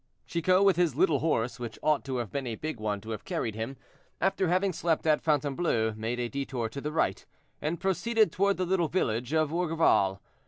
Chicot, with his little horse, which ought to have been a big one to have carried him, after having slept at Fontainebleau, made a detour to the right, and proceeded toward the little village of Orgeval.